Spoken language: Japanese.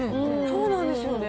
そうなんですよね。